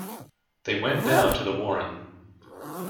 They went down to the warren.